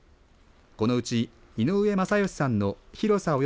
このうち井上正好さんの広さ